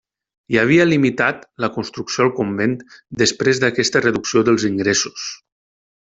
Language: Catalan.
Hi havia limitat la construcció al convent després d'aquesta reducció dels ingressos.